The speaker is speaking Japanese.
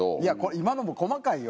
今のも細かいよ。